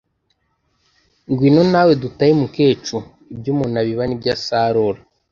Ngwino nawe dutahe Mukecu. “Ibyo umuntu abiba ni byo asarura”!